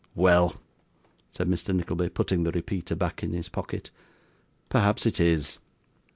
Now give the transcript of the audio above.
'Well!' said Mr. Nickleby, putting the repeater back in his pocket; 'perhaps it is.